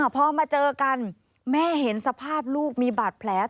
พอมาเจอกันแม่เห็นสภาพลูกมีบาดแผล